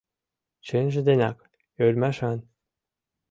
Чынже денак, ӧрмашан.